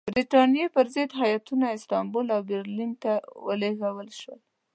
برټانیې پر ضد هیاتونه استانبول او برلین ته ولېږل شول.